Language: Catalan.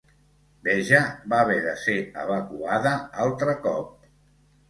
Beja va haver de ser evacuada altre cop.